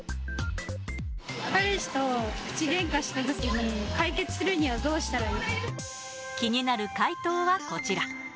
彼氏と口げんかしたときに解気になる回答はこちら。